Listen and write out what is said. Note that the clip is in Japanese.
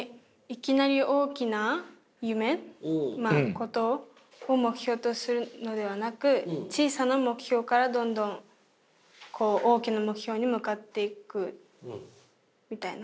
ことを目標とするのではなく小さな目標からどんどん大きな目標に向かっていくみたいな？